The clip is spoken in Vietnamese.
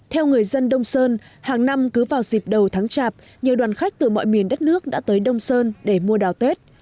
hàng năm cứ vào dịp đầu tháng chạp nhiều đoàn khách từ mọi miền đất nước đã tới đông sơn để mua đào tết